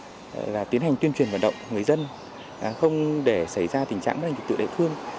chúng tôi đã tiến hành tuyên truyền vận động người dân không để xảy ra tình trạng mất an ninh trật tự đại thương